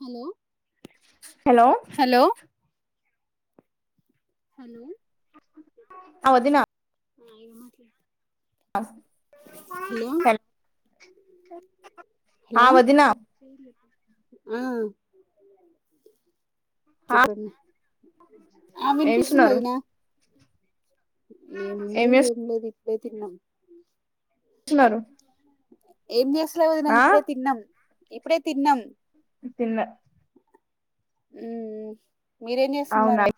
Hello hello hello hello అ వదిన అయాన్ ముత్తి హ చె హలో ఆ ఆ ఆ ఏం వినిపిస్తుంది చేస్తున్నారు వదిన ఏముంది ఏం లేదు ఇప్పుడే తిన్నాం వస్తున్నారు ఏం చేస్త్ ఇంట్లో వదిన ఇప్పుడే తిన్నం ఇప్పుడే తిన్నాం తిన్లా ఉ ఉహ్ మీరేం అవునా చేస్తున్నారు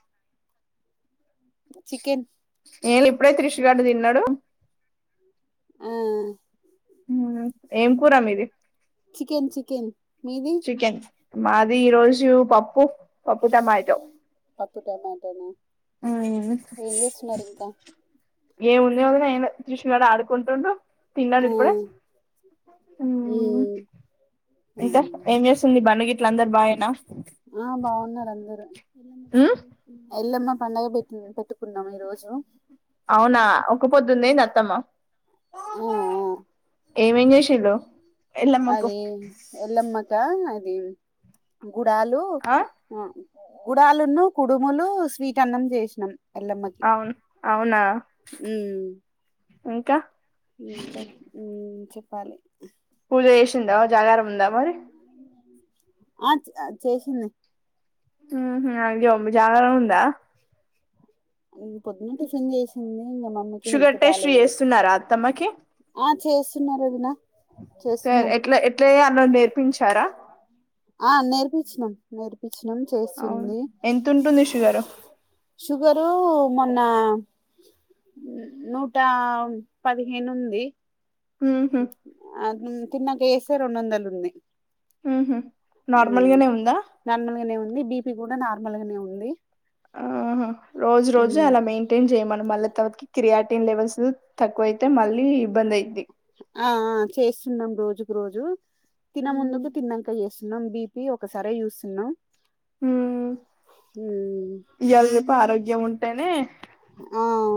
చికెన్ ఏ ఇప్పుడే క్రిష్ గాడు తిన్నాడు ఆ ఏం కూర మీది చికెన్ చికెన్ మీది చికెన్ మాది ఈ రోజు పప్పు పప్పు టమాటో పప్పు టమ్మోటన హుమ్మ్ ఎం లేదు ఎదో క్రిష్ గాడు ఆడుకుంట్ రొండు తిన్నాను ఆ ఇప్పుడే మ్ మ్మ్ ఇంకా ఏం చేస్తుంది బన్నిగిట్ల అందరు బాగేనా ఆ బాగున్నారు అందరు మ్ ఎల్లమ్మ పండగ పెట్టి పెట్టుకున్నాం ఈ రోజు అవునా ఒకపోద్దుందెంది అత్తమ్మా ఆ ఏం ఎమ్ జేశిల్లు అదే ఎల్లమ్మ త అది గుడాలు ఆ గుడలున్ను కుడుములు స్వీట్ అన్నం జేసినాం. ఎల్లమ్మకి అవును అవునా మ్ ఇంకా ఇంకా మ్ చెప్ చెప్పాలి. పూజ చేసిందా జాగారం ఉందా మరి ఆ చ చేసింది. హుహుమ్ అయ్యో మ్ జాగారం ఉందా మ్ పొద్దున్న టిఫిన్ చేసింది. ఇంగా మమ్మీకి షుగర్ హెల్త్ టెస్ట్ బాలేదు కదా చేస్తున్నారా అత్తమ్మకి ఆ చేస్ తిన్నారు వొదినా చేస్తున్నాం ఎట్లా ఎట్లా చేయాలో నేర్పించారా ఆ నేర్పించినం నేర్పించినం అవును చేస్తుంది ఎంత ఉంటుంది షుగరు షుగర్ పు మొన్న నూట పదిహేను ఉంది. ఉహు ఆ [unintelligible] తిన్నాక ఎస్సే రెండు వందలు ఉంది. ఉహుం ఉమ్ నార్మల్గానే ఉందా నార్మల్ గానే ఉంది బీపీ కూడా నార్మల్ గానే ఉంది. ఆహా హా రోజు రోజు ఉమ్ అలా మెయింటైన్ చేయమను మళ్ళీ తర్వాత కి క్రియట్ లెవెల్స్ తక్కువైయితే మల్ లి ఇబ్బంది అయ్యిదిద్ది ఆ ఆ చేస్తున్నాం రోజుకు రోజు తిన ముందుకు తిన్నంక యేస్ న్నాం బిపి ఒకసారే చూస్తున్నాం. మ్ ఉమ్ ఇయ్యాల రేపు ఆరోగ్ య ఉంటేనే ఆ అ